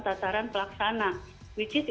tasaran pelaksana which is